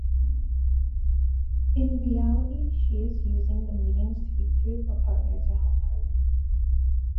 In reality, she is using the meetings to recruit a partner to help her.